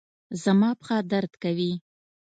زما پښه درد کوي